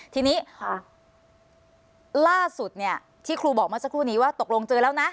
ทีนี้ล่าสุดเนี่ยที่ครูบอกเมื่อสักครู่นี้ว่าตกลงเจอแล้วนะ